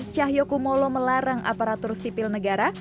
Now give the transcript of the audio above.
cahyokumolo melarang aparatur sipil negara